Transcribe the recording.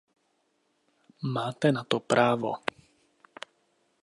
Máte na to právo.